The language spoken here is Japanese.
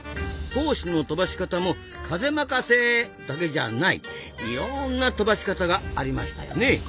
胞子の飛ばし方も風まかせだけじゃないいろんな飛ばし方がありましたよね。